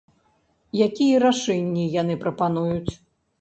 Якія рашэнні яны прапануюць?